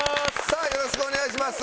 さあよろしくお願いします。